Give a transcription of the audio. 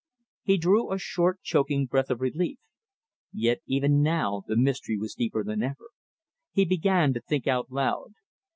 He drew a short choking breath of relief. Yet even now the mystery was deeper than ever! He began to think out loud.